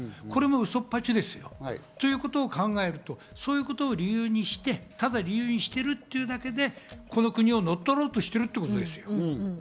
これもウソっぱちですよ。ということを考えると、そういうことを理由にして、理由にしているだけで、この国を乗っ取ろうとしているということです。